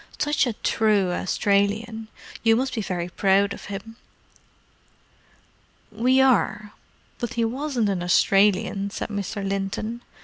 Such a true Australian! You must be very proud of him." "We are—but he wasn't an Australian," said Mr. Linton.